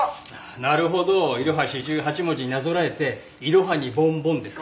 なるほどいろは四十八文字になぞらえていろはにぼんぼんですか。